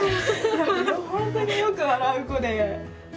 本当によく笑う子で。